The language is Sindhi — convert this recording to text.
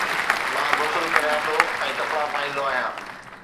مان غسل ڪريان ٿو ۽ ڪپڙا پائيندو آهيان